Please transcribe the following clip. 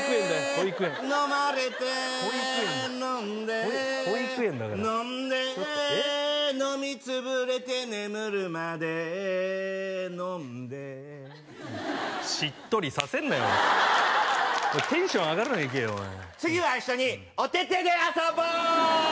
保育園飲まれて飲んで保育園だから飲んで飲みつぶれて寝むるまで飲んでしっとりさせんなよテンション上がるのでいけよおい次は一緒におててで遊ぼう！